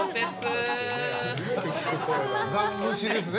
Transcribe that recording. ガン無視ですね。